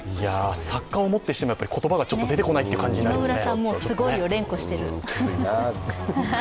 作家をもってしてもちょっと言葉が出てこないという感じになりますか。